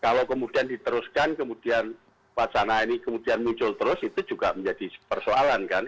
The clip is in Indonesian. kalau kemudian diteruskan kemudian wacana ini kemudian muncul terus itu juga menjadi persoalan kan